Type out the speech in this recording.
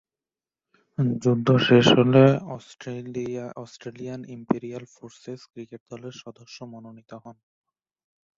যুদ্ধ শেষ হলে অস্ট্রেলিয়ান ইম্পেরিয়াল ফোর্সেস ক্রিকেট দলের সদস্য মনোনীত হন।